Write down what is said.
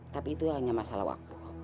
tapi itu hanya masalah waktu